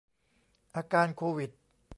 อาการโควิด